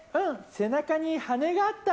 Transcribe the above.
背中に羽があった。